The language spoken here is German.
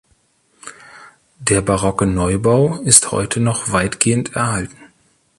Der barocke Neubau ist heute noch weitgehend erhalten.